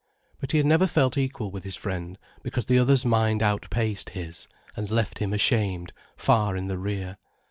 But he had never felt equal with his friend, because the other's mind outpaced his, and left him ashamed, far in the rear.